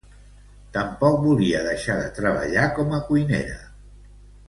Tampoc volia deixar de treballar com a cuinera.